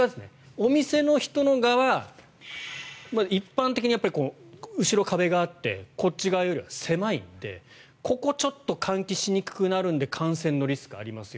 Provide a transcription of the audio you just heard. お店の人の側は一般的に後ろに壁があってこっち側よりは狭いのでここはちょっと換気しにくくなるので感染のリスクがありますよ。